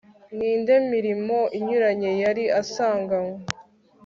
n'indi mirimo inyuranye yari asanganywe